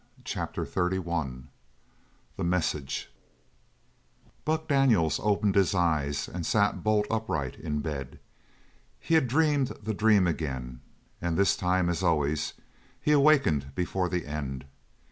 CHAPTER XXXI THE MESSAGE Buck Daniels opened his eyes and sat bolt upright in bed. He had dreamed the dream again, and this time, as always, he awakened before the end.